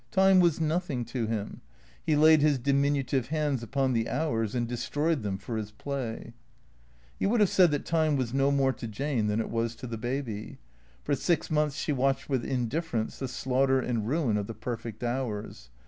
Time was nothing to him. He laid his diminutive hands upon the hours and destroyed them for his play. You would have said that time M^as no more to Jane than it was to the baby. For six months she watched with indifference the slaughter and ruin of the perfect hours.